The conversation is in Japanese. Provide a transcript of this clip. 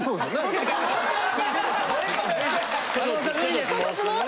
松本さん無理ですって。